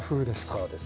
そうですね。